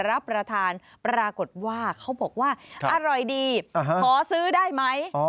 รับประทานปรากฏว่าเขาบอกว่าอร่อยดีขอซื้อได้ไหม